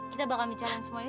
kita bakal bicarain semua ini